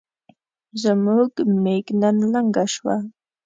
زموږ ميږ نن لنګه شوه